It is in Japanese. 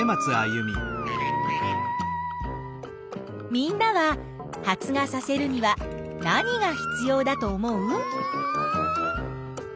みんなは発芽させるには何が必要だと思う？